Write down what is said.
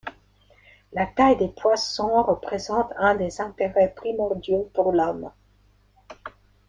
La taille des poissons représente un des intérêts primordiaux pour l'Homme.